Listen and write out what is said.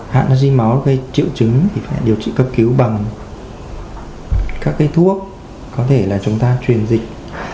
hạn nó ri máu gây triệu chứng thì phải điều trị cấp cứu bằng các cái thuốc có thể là chúng ta truyền dịch